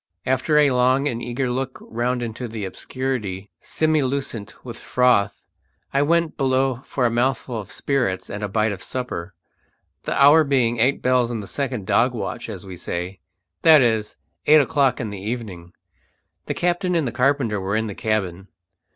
After a long and eager look round into the obscurity, semi lucent with froth, I went below for a mouthful of spirits and a bite of supper, the hour being eight bells in the second dog watch as we say, that is, eight o'clock in the evening. The captain and carpenter were in the cabin.